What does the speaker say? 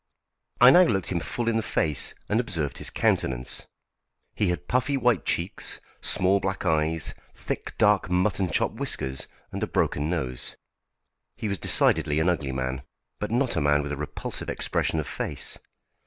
I now looked him full in the face and observed his countenance. He had puffy white cheeks, small black eyes, thick dark mutton chop whiskers, and a broken nose. He was decidedly an ugly man, but not a man with a repulsive expression of face.